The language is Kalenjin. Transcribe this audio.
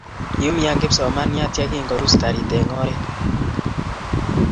Kiumian kipsomanian ye kingorus karit eng oree.